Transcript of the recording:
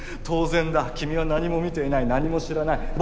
当然だ君は何も見ていない何も知らない。